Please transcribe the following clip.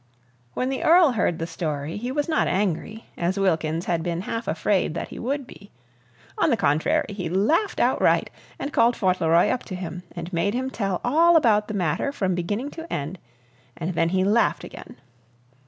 When the Earl heard the story he was not angry, as Wilkins had been half afraid that he would be; on the contrary, he laughed outright, and called Fauntleroy up to him, and made him tell all about the matter from beginning to end, and then he laughed again.